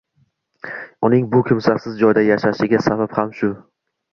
Uning bu kimsasiz joyda yashashiga sabab ham shu.